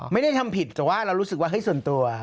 ไม่ได้ทำผิดแต่ว่าเรารู้สึกว่าเฮ้ยส่วนตัว